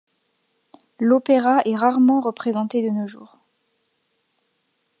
L'opéra est rarement représenté de nos jours.